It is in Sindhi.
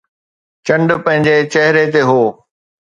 چنڊ پنهنجي چهري تي هو